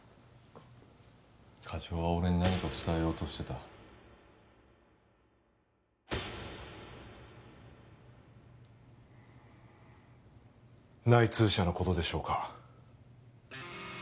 課長は俺に何か伝えようとしてた内通者のことでしょうか？